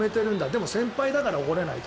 でも先輩だから怒れないと。